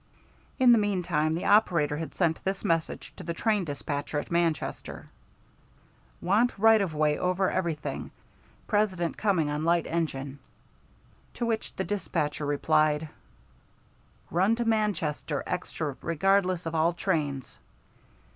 In the meantime, the operator had sent this message to the train despatcher at Manchester: Want right of way over everything. Pres. coming on light engine. To which the despatcher replied: Run to Manchester extra regardless of all trains.